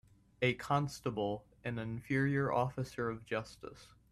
A constable an inferior officer of justice